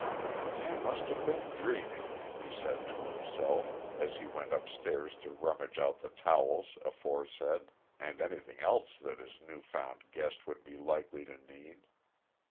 "I must have been dreaming," he said to himself, as he went upstairs to rummage out the towels aforesaid, and anything else that his new found guest would be likely to need.